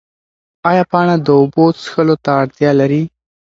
ایا پاڼه د اوبو څښلو ته اړتیا لري؟